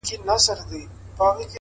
ستوري ډېوه سي ;هوا خوره سي;